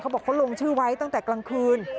บอกเขาลงชื่อไว้ตั้งแต่กลางคืน